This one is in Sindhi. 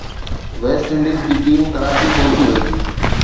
ويسٽ انڊيز جي ٽيم ڪراچي پهچي وئي